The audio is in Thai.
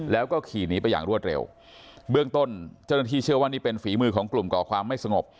แล้วก็ขี่หนีไปอย่างรวดเร็วเบื้องต้นเจ้าหน้าที่เชื่อว่านี่เป็นฝีมือของกลุ่มก่อความไม่สงบ